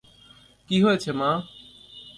কী হয়েছে, মা?